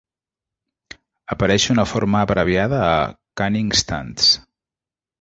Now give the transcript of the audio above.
Apareix una forma abreviada a "Cunning Stunts".